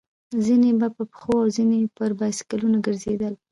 ځينې به په پښو او ځينې پر بایسکلونو ګرځېدل.